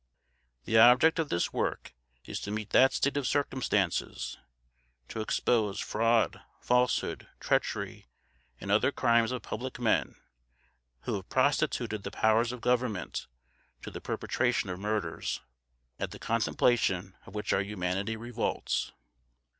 The object of this work is to meet that state of circumstances; to expose fraud, falsehood, treachery, and other crimes of public men, who have prostituted the powers of Government to the perpetration of murders, at the contemplation of which our humanity revolts.